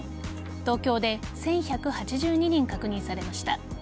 東京で１１８２人確認されました。